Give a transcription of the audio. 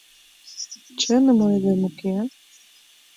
Чыным ойлем, уке?